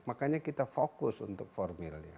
makanya kita fokus untuk formilnya